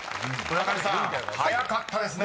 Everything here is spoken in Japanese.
［村上さん早かったですね］